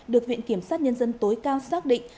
được viện kiểm sát nhân dân tối cao xác định